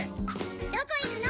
どこ行くの？